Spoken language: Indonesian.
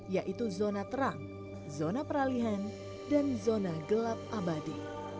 yaitu zona terang zona peralihan dan zona gelap abadi